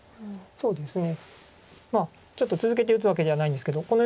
そうですね。